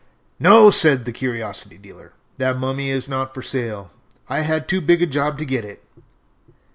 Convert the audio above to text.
"No," said the curiosity dealer, "that mummy is not for sale. I had too big a job to get it."